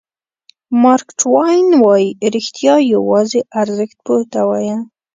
مارک ټواین وایي رښتیا یوازې ارزښت پوه ته ووایه.